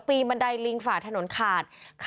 ปีนบันไดลิงฝ่าถนนขาด